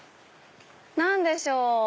何でしょう？